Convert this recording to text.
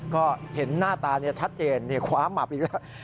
ก็เห็นหน้าตาชัดเจนคว้าหมับอีกแล้ว